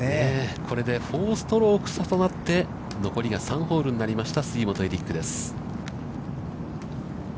これで４ストローク差となって、残りが３ホールになりました、杉本エリックです。